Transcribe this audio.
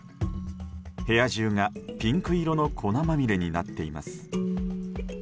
部屋中がピンク色の粉まみれになっています。